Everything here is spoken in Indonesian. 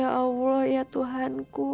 ya allah ya tuhanku